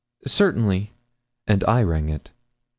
'Certainly;' and I rang it.